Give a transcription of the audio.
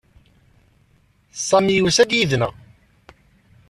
Sami yusa-d yid-neɣ.